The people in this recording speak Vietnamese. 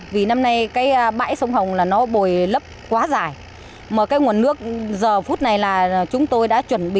vì năm nay bãi sông hồng bồi lớp quá dài mà nguồn nước giờ phút này là chúng tôi đã chuẩn bị